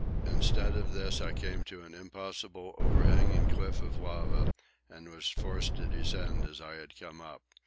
Instead of this I came to an impossible overhanging cliff of lava, and was forced to descend as I had come up.